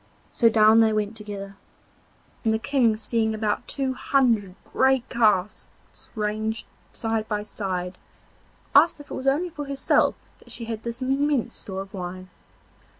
So down they went together, and the King seeing about two hundred great casks ranged side by side, asked if it was only for herself that she had this immense store of wine.